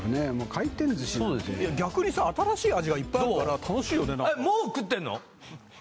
回転寿司なんて逆にさ新しい味がいっぱいあるから楽しいよね・